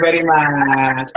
terima kasih dok